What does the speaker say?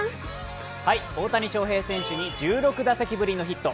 大谷翔平選手に１６打席ぶりのヒット。